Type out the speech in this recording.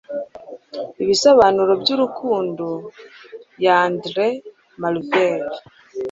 Ibisobanuro byurukundo ya Andrew Marvell